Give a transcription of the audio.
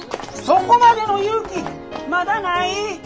そこまでの勇気まだない！